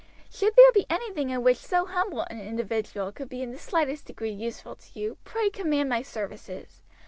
Should there be anything in which so humble an individual could be in the slightest degree useful to you pray command my services.